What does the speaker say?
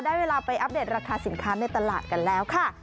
เวลาไปอัปเดตราคาสินค้าในตลาดกันแล้วค่ะ